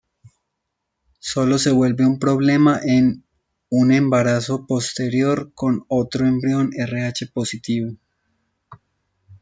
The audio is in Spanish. Sólo se vuelve un problema en un embarazo posterior con otro embrión Rh positivo.